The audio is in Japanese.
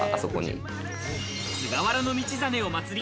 菅原道真を祀り